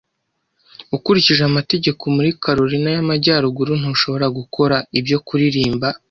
Ukurikije Amategeko muri Carolina y'Amajyaruguru ntushobora gukora ibyo Kuririmba